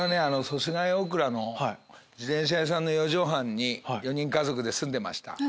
祖師ヶ谷大蔵の自転車屋さんの４畳半に４人家族で住んでました。